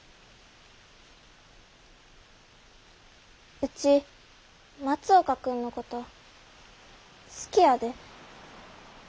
ウチ松岡君のこと好きやで。